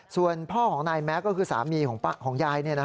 ส่วนพ่อของนายแม็กซ์ก็คือสามีของยาย